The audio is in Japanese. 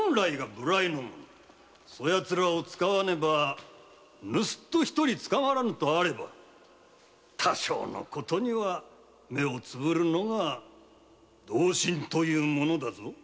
だがヤツらを使わねばぬすっと一人捕まらぬとあれば多少の事には目をつぶるのが同心というものだぞ。